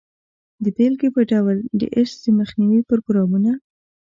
د بیلګې په ډول د ایډز د مخنیوي پروګرامونه.